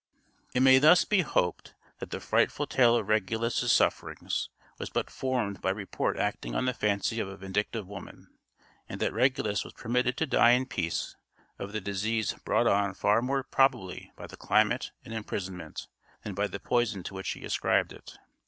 It may thus be hoped that the frightful tale of Regulus' sufferings was but formed by report acting on the fancy of a vindictive woman, and that Regulus was permitted to die in peace of the disease brought on far more probably by the climate and imprisonment, than by the poison to which he ascribed it.